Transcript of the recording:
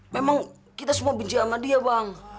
memang kita semua benci sama dia bang